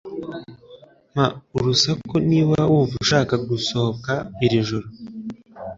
Mpa urusaku niba wumva ushaka gusohoka iri joro.